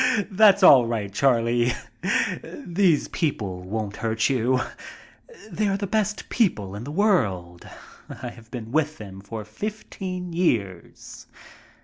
"That's all right, Charlie. These people won't hurt you. They are the best people in the world. I have been with them for fifteen years."